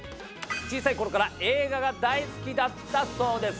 小さい頃から映画が大好きだったそうです。